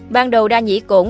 ban đầu đa nhĩ cổn